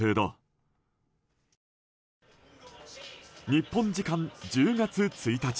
日本時間１０月１日。